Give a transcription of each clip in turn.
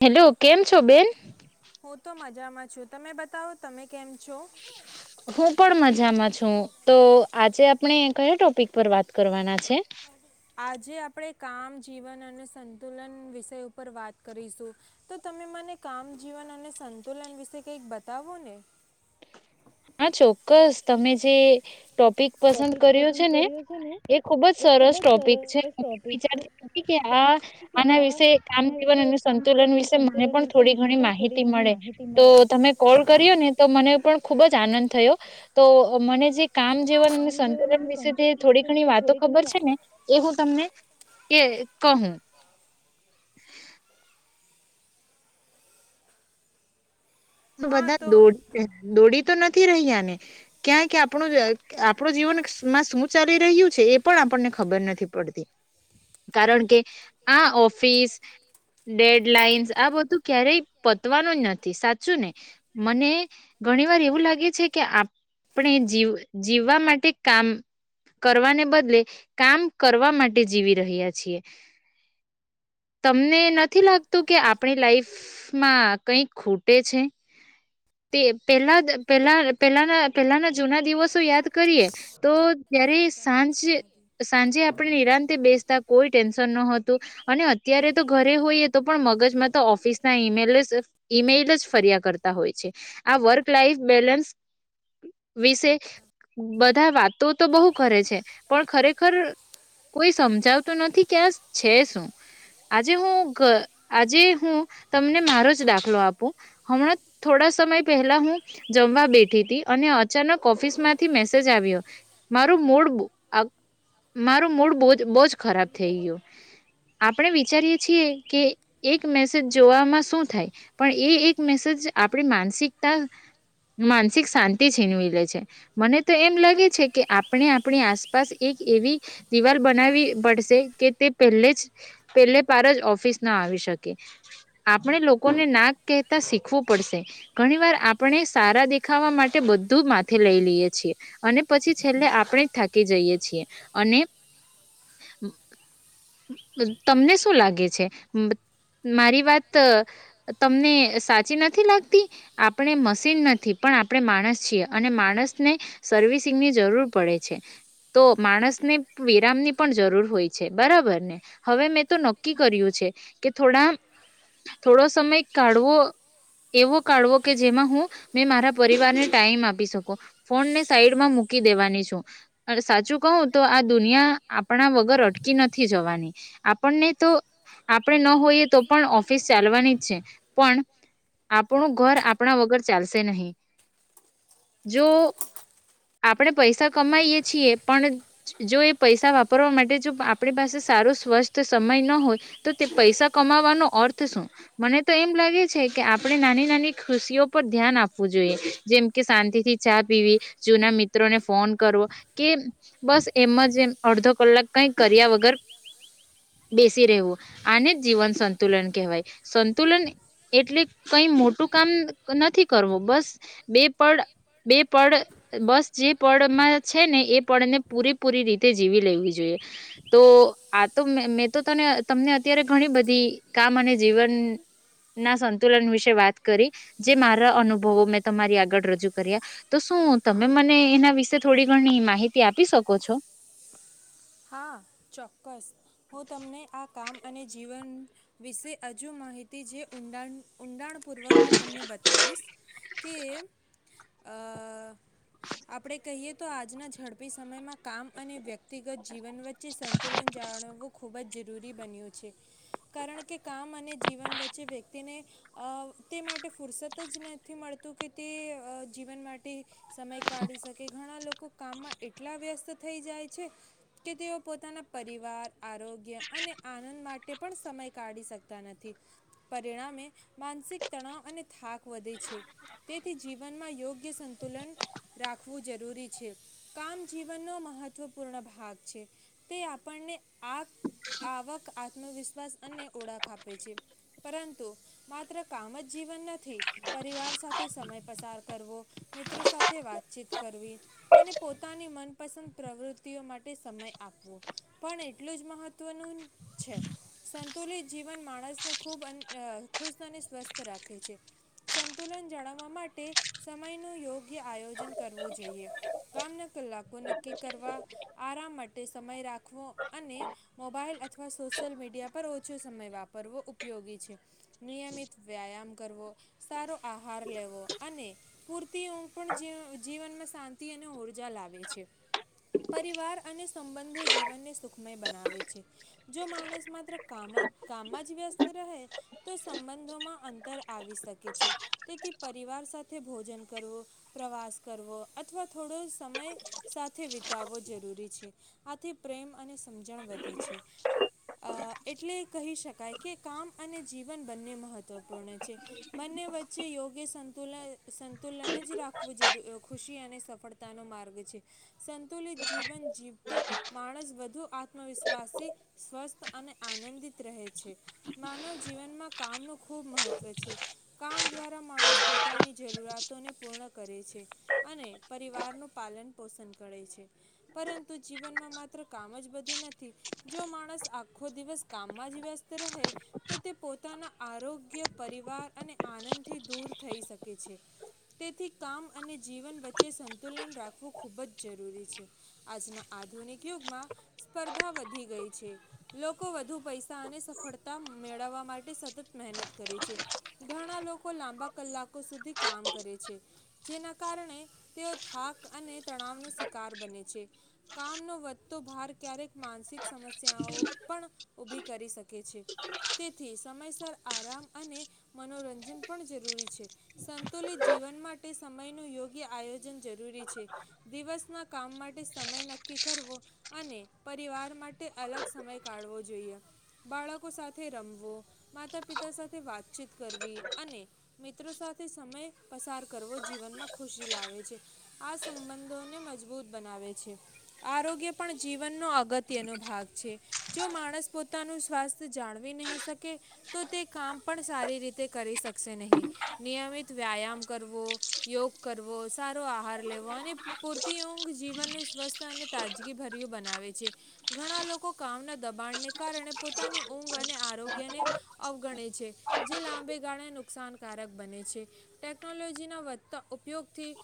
Hello કેમ છો બેન. હું તો મજામાં છું તમે બતાવો તમે કેમ. છો હું કોણ મજ. જામાં છું તો આજે આપણે કયા ટોપિક પર વાત કરવાના છે. આજે આપણેે કામ જીવન અને સંતુલન વિષય ઉપર વાત કરીશું તો તમે મને કામ જીવન અને સંતુલન વિશે કઈક બતાવો ને. હા ચોક્કસ તમે જે. ટોપિક પસંદ ટોપિક કર્યો છે પસંદ ને કર્યો છે ને એ ખુબ જ એ ખુબ સરસ જ ટોપિક છે સરસ ટોપિક છે વિચારતી નથી કે વિચાર આ કે આના આ વિશે કામ આના વિશે જીવન અને કામ જીવન સંતુલન અને વિશે મને સંતુલન પણ વિશે થોડી મને ઘણી પણ થોડી માહિતી ઘણી મળે માહિતી તો મળે તમે કોલ કર્યો ને તો મને પણ ખૂબ જ. આનંદ થયો તો મને જે. કામ જેવન અને કામ જીવન અને સંતુલન વિશે જે સંતુલન થોડી વિશે ઘણી જે વાતો થોડી ઘણી ખબર છે વાત ને એ હું તમને કે. કહું. હા બધા તો દોડી દોડી તો નથી. રહ્યાને ક્યાં કે આપણ આપણું જીવનમાં શું ચાલી રહ્યું છે એ પણ આપણને ખબર નથી પડતી કારણ કે આ ઓફિસ ડેડલાઈન્સ આ બધું ક્યારેય. પતવાનું જ નથી સા. ને મને ઘણી વાર એવું લાગે છે કે આપણે જીવ જીવવા માટે કામ કરવાને બદલે કામ કરવા માટે જીવી રહ્યા છીએ તમને નથી લાગતું કે આપણી લાઈફમાં કઈ ખુટ. છે તે પેલા પ પેલાના પેલાના જૂના દિવસો યાદ કરીએ. તો નહીં જય્યારે મિલતા પાંચ સાંજ કો માહિતી સાંજે આપણે નિરાંત બેસતા કોઈ ટેન્શન નત. તો. અને અત્યારે તો ઘરે હોઈએ તો પણ મગજમાં તો ઓફિસ ના ઈમેલ જ ઈમેઈલ જ. તા હોય છે આ વર્ક લાઈફ બેલેન્સ વિશે બધા વાતો તો બહુ કરે છે પણ ખરેખર કોઈ સમજાવતોું નથી કે છે શું આજે હું આજે હું તમને મારો જ દાખલો આપું. હમણાં થોડા સમય પહેલા હું જમવા બેઠી હતી અને અચાનક ઓફિસ માંથી મેસેજ આવ્યો મારું મૂડ મારું મૂડ બહુજ ખરાબ થઈ ગયો આપણે વિચારીએ છીએ કે એક મેસેજ જોવામાં શું થાય પણ એ એક. મેજ આપણી માનસિકતા માનસિક શાંતિ છીનવી લે છે મને તો એમ લાગે છે કે આપણે આપણી આસપાસ એક એવી દિવાલ બનાવી પડશે કે તે પહે જ પહેલે પાર જ ઓફિસ ના આવી શકે આપણે લોકોને નાક. શીખવુ પડશે ઘણી વાર આપણે સારા દેખાવા માટે બધું માથે લઈ લઈએ છીએ અને પછી છેલ્લે આપણે થાકી જઈએ છીએ અને તમને શું લાગે છે મારી વાત તમને. સાચી નથી લાગતી આપણે મશીન નથી પણ આપણે માણસ છીએ અને માણસને સર્વિસિંગ ની જરૂર પડે છે તો માણસને વિરામની પણ જરૂર હોય છે બરાબર ને હવે મેં તો નક્કી કર્યું છે કે થોડા થોડો સમય કાઢવો. એવો કાઢવો કે જેમાં હું મે મારા પરિવારને ટાઈમ આપી શકો ફોનને સાઈડમાં મૂકી દેવાની છું સાચું. કહું તો આ દુનિયા આપણા વગર અટ. કી નથી જવાની. આપણને તો આપણે ન હોઈએ તો પણ ઓફિસ ચાલવાની જ છે પણ. આપણું ઘર આપણા વગર ચાલશે નહી જો આપણે પૈસા કમાઈએ છીએ પણ જો એ પૈસા વાપરવા માટે જો આપણી પાસે સારો સ્વસ્થ સમય ન હોય તો તે પૈસા કમાવાનો અર્થ શું મને તો એમ લાગે છે. કે આપણે નાની નાની ખુશીઓ પર ધ્યાન આપવું જોઈએ જેમ કે શાંતિ થી ચા પીવી જૂના મિત્રોને ફોન કરવો કે બસ એમ જ એમ અડધો કલાક કઈક કર્યા વગર બેસી રહેવું આને જ જીવન સંતુલન કહેવાય સંતુલન. એટલે. કઈ મોટું કામ નથી. કરવો બસ. બેપડ બે પડ બસ ચીપ. પળમાં છે ને એ પળને પૂરેપૂરી રીતે જીવી લેવી જોઈએ તો આ તો મેં તો તને તમને અત્યારે ઘણી બધી કામ અને જીવન. ના સંતુલન વિશે વાત કરી જે મારા અનુભવો મેં તમારી આગળ રજૂ કર્યા તો શું તમે મને એના વિશે થોડી ઘણી માહિતી આપી શકો છો. હા ચોક્કસ હું તમને આ કામ અને જીવન વિશે હજુ માહિતી જે ઊંડાણ. ઊંડાણ પૂર્વક હું તમને બતાવીશ. કે આપણે કહીએ તો આજના ઝડપી સમયમાં કામ અને વ્યક્તિગત. જીવન વચ્ચે સંતુલન જાળવું ખૂબ જરૂરી. જરૂરી બન્યું છે કારણ કે કામ અને જીવન વચ્ચે વ્યક્તિને તે માટે ફુરસત જ નથી મળતું કે તે જીવન માટે સમય કાઢી શકે ઘણા લોકો કામમાં એટલા વ્યસ્ત થઈ જાય છે. કે તેઓ પોતાના પરિવાર આરોગ્ય અને આનંદ માટે પણ સમય કાઢી શકતા નથી પરિણામે માનસિક તણાવ અને થાક વધે છે તેથી જીવનમાં યોગ્ય સંતુલન રાખવું જરૂરી છે કામ જીવનનો મહત્વપૂર્ણ ભાગ. તે આપણને આવક આત્મવિશ્વાસ અને ઓળખ આપે છે પરંતુ માત્ર કામ જ જીવન નથી પરિવાર સાથે સમય પસાર કરવો મિત્રો સાથે વાતચીત કરવી અને પોતાની મનપસંદ પ્રવૃત્તિઓ માટે. સમય આપવો એટલું જ મહત્વનું છે સંતુલિત જીવન માણસને ખૂબ ખુશ અને સ્વસ્થ રાખે છે સંતુલન જાળવવા માટે સમય નું યોગ્ય આયોજન કરવું જોઈએ કામના કલાકો નક્કી કરવા. આરામ માટે સમય રાખવો અને મોબાઈલ અથવા સોશિયલ મીડિયા પર ઓછો સમય વાપરવો ઉપયોગી છે નિયમિત વ્યાયામ કરવો સારો આહાર લેવો અને પૂરતી હું પણ જીવનમાં શાંતિ અને ઉઊર્જા લાવે છે. પરિવાર અને સંબંધો જીવનને સુખમય બનાવે છે જો માણસ માત્ર કામ કામમાં જ વ્યસ્ત રહે તો સંબંધોમાં અંતર આવી શકે છે તેથી પરિવાર સાથે ભોજન કરવું પ્રવાસ કરવો અથવા થોડો સમય સાથે. તાવવો જરૂરી છે આથી પ્રેમ અને સમજણ વધે છે એટલે કહી શકાય કે કામ અને જીવન બંને મહત્ત્વપૂર્ણ છે બંને વચ્ચે યોગ્ય સંતુલન સંતુલન જ રાખવું જરૂ ખુશી અને સફળતાનો માર્ગ છે સ. સંતુલિત જીવન જીવતો માણસ વધુ આત્મવિશ્વાસી સ્વસ્થ અને આનંદિત રહે છે માનવ જીવનમાં કામનું ખૂબ મહત્ત્વ છે કામ દ્વારા માણસ પોતાની જરૂરિયાતોને પૂર્ણ કરે છે અને પરિવારનું પાલન પોષણ કરે છે. પરંતુ જીવનમાં માત્ર કામ જ બધું નથી જો માણસ આખો દિવસ કામમાં જ વ્યસ્ત રહે તો તે પોતાના આરોગ્ય પરિવાર અને આનંદથી દૂર થઈ શકે છે તેથી કામ અને જીવન વચ્ચે સંતુલન રાખવું ખૂબ જ જરૂરી છે. આજના આધુનિક યુગમાં સ્પર્ધા વધી ગઈ છે લોકો વધુ પૈસા અને સફળતા મેળવવા માટે સતત મહેનત કરે છે ઘણા લોકો લાંબા કલાકો સુધી કામ કરે છે જેના કારણે તેઓ થાક અને તણાવનો શિકાર બને છે. કામનો વધતો ભાર ક્યારેક માનસિક સમસ્યાઓ પણ ઉભી કરી શકે છે તેથી સમયસર આરામ અને મનોરંજન પણ જરૂરી છે સંતુલિત જીવન માટે સમયનું યોગ્ય આયોજન જરૂરી છે દિવસના કામ માટે. સમય નક્કી કરવો અને પરિવાર માટે અલગ સમય કાઢવો જોઈએ બાળકો સાથે રમવો માતા પિતા સાથે વાતચીત કરવી અને મિત્રો સાથે સમય પસાર કરવો જીવનમાં ખુશી લાવે છે આ સંબંધોને મજબૂત. બનાવે છે આરોગ્ય પણ જીવનનો અગત્યનો ભાગ છે જો માણસ પોતાનું સ્વાસ્થ્ય જાણવી નહીં શકે તો તે કામ પણ સારી રીતે કરી શકશે નહીં નિયમિત વ્યાયામ કરવો યોગ કરવો સારો આહાર લેવો અને પૂરતી હું. ઘ જીવન સ્વસ્થ અને તાજગી ભર્યું બનાવે છે ઘણા લોકો કામના દબાણને કારણે પોતાની ઊંઘ અને. આરોગ્ય ને અવગણિત. જે લાંબે ગાળે નુકસાનકારક બને છે ટેકનોલોજીના વધતા ઉપયોગથી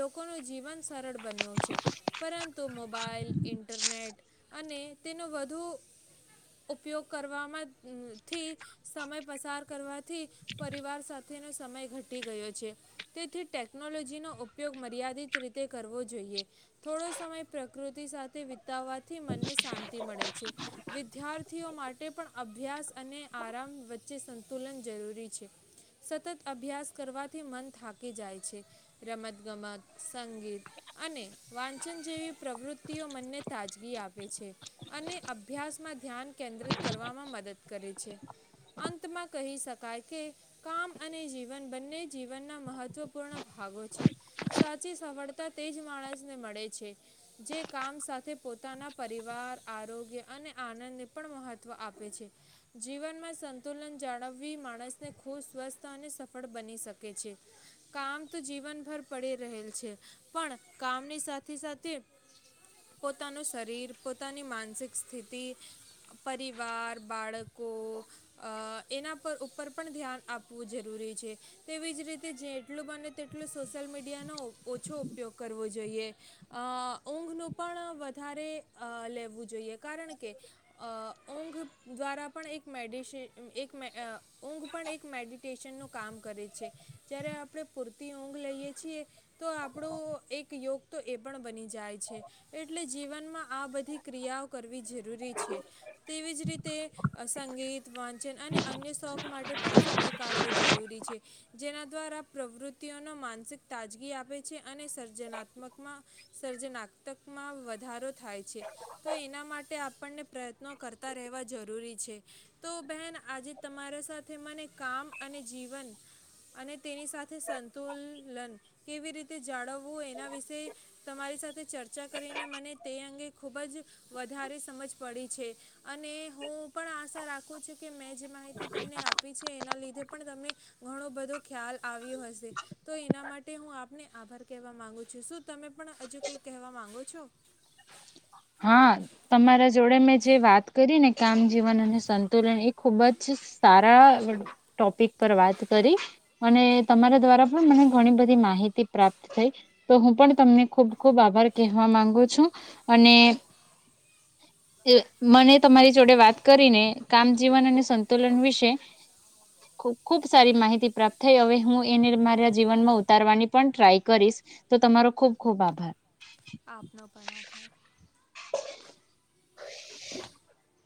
લોકોનું જીવન. સરળ બન્યો છે પરંતુ મોબાઈલ ઇન્ટરનેટ અને તેનો વધુ ઉપયોગ કરવામા માંથી સમય પસાર કરવાથી પરિવાર સાથેનો સમય ઘટી ગયો છે તેથી ટેકનોલોજીનો ઉપયોગ મર્યાદિત રીતે. તે કરવો જોઈએ થોડો સમય પ્રકૃતિ સાથે વિતાવાથી મનને શાંતિ મળે છે વિદ્યાર્થીઓ માટે પણ અભ્યાસ અને આરામ વચ્ચે સંતુલન જરૂરી છે સતત અભ્યાસ કરવાથી મન થાકી જાય છે રમત ગમત. સંગીત અને વાંચન જેવી પ્રવૃત્તિઓ મનને તાજગી આપે છે અને અભ્યાસમાં ધ્યાન કેન્દ્રિત કરવામાં મદદ કરે છે અંતમાં કહી શકાય કે કામ અને જીવન બંને જીવનના મહત્ત્વપૂર્ણ ભાગો છે. પ સફળતા તે જ માણસને મળે છે જે કામ સાથે પોતાના પરિવાર આરોગ્ય અને આનંદને પણ મહત્વ આપે છે જીવનમાં સંતુલન જાળવવી માણસને ખુબ સ્વસ્થ અને સફળ બની શકે છે કામ તો જીવનભર પડી રહેલ. પણ કામની સાથે સાથે પોતાનું શરીર પોતાની માનસિક સ્થિતિ. પરિવાર બાળક. કો એના પર ઉપર પણ ધ્યાન આપવું જરૂરી છે તેવી જ રીતે જેટલું બને તેટલું સોશિલ મીડિયાનો. ઓછો ઉપયોગ કરવો જોઈએ અ ઊંઘનું પણ વધારે અ લેવું જોઈએ કારણ કે અ ઊંઘ દ્વારા પણ એક મેડિસ એક મે અહ ઊંઘ પણ એક મેડિટેશનનું કામ કરે છે, જ્યારે આપડે પૂરતી ઊંઘ લઈએ છીએ તો આપણું એક યોગ તો એ પણ બની જાય છે, એટલે જીવનમાં આ બધી ક્રિયાઓ કરવી જરૂરી છે. તેવીજ રીતે અસંગીત વાંચન અને અન્ય શોખ માટે પણ સમય કાઢવો જરૂરી છે, જેના દ્વારા પ્રવૃત્તિઓનો માનસિક તાજગી આપ આવે છે અને સર્જનાત્મકમાં સર્જનાત્કમાં વધારો થાય છે, તો એના માટે આપણને પ્રયત્નો કરતા રહેવા જરૂરી છે, તો બહેન આજે તમારા સાથે મને કામ અને જીવન અને તેની સાથે સંતુલન કેવી રીતે જાળવવું એના વિશે તમારી સાથે ચર્ચા કરીને મને તે અંગે ખૂબ જ વધારે સમજ પડી છે, અને હું પણ આશા રાખું છું કે મેં જે માહિતી તમને આપી છે એના લી પણ, તમને ઘણો બધું [unintelligible] ખ્યાલ આવ્યો હશે તો એના મા કે હું આપને આભાર કહેવા માંગુ છું. શું તમે પણ હજુ કઈ કહેવા માંગો છો? હા, તમારા જોડે મેં જે વાત કરી ને કામ જીવન અને સંતુલન એ ખુબ જ સારા ટોપિક પર વાત કરી અને તમારા દ્વારા પણ મને ઘણી બધી માહિતી પ્રાપ્ત થઈ તો હું પણ તમને ખુબ ખુબ આભાર કહેવા માંગુ છું. અને મને તમારી જોડે વાત કરીને કામ જીવન અને સંતુલન વિશે ખુબ ખૂબ સારી માહિતી પ્રાપ્ત થઈ અવે હું એને મારા જીવનમાં ઉતારવાની પણ ટ્રાય કરીશ તો તમારો ખુબ ખુબ આભાર. આપનો પણ આભાર. [unintelligible]